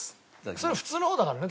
それ普通の方だからね？